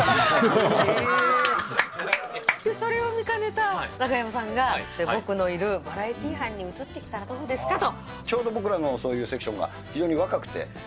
それを見かねた中山さんが、僕のいるバラエティ班に移ってきたらどうですか？と。